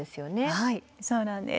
はいそうなんです。